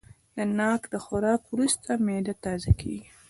د ناک د خوراک وروسته معده تازه کېږي.